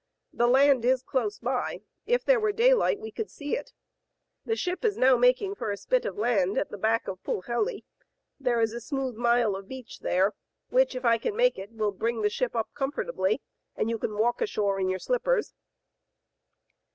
The land is close by. If there were daylight we could see it. The ship is now making for the spit of land at the back of Pwlhelly. There is a smooth mile of beach there, which, if I can make it, will bring the ship up comfortably, and you can walk ashore in your slippers."